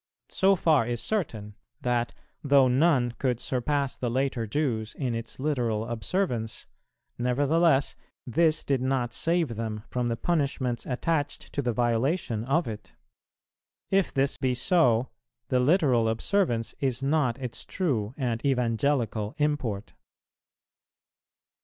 So far is certain, that, though none could surpass the later Jews in its literal observance, nevertheless this did not save them from the punishments attached to the violation of it. If this be so, the literal observance is not its true and evangelical import.